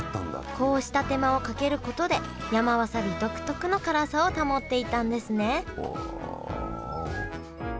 こうした手間をかけることで山わさび独特の辛さを保っていたんですねおお。